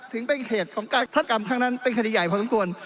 ถึงเป็นเหตุของการฆาตกรรมครั้งนั้นเป็นคดีใหญ่พอสมควร